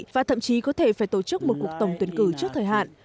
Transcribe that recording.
và thậm chí có thể phải tổ chức một cuộc tổng tuyển cử trước thời hạn